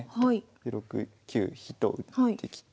で６九飛と打ってきて。